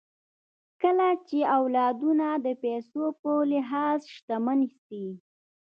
کله چې اولادونه د پيسو په لحاظ شتمن سي